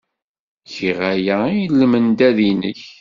Giɣ aya i lmendad-nnek.